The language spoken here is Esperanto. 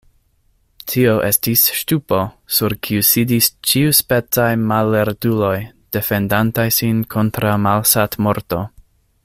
Tio estis ŝtupo, sur kiu sidis ĉiuspecaj mallertuloj, defendantaj sin kontraŭ malsatmorto.